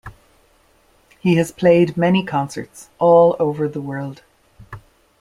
He has played many concerts all over the world.